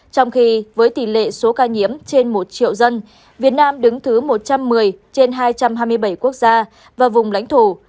trong khi với tỷ lệ số ca nhiễm trên một triệu dân việt nam đứng thứ một trăm một mươi trên hai trăm hai mươi bảy quốc gia và vùng lãnh thổ